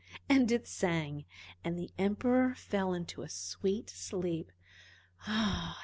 And it sang, and the Emperor fell into a sweet sleep. Ah!